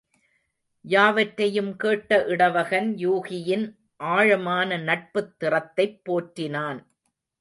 யாவற்றையும் கேட்ட இடவகன், யூகியின் ஆழமான நட்புத் திறத்தைப் போற்றினான்.